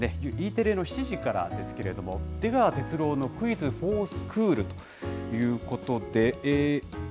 Ｅテレの７時からですけれども、出川哲朗のクイズほぉスクールということで。